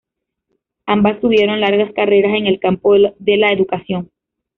Ambas tuvieron largas carreras en el campo de la educación.